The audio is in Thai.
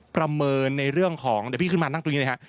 ประเมินในเรื่องของเดี๋ยวพี่ขึ้นมานั่งตรงนี้นะครับ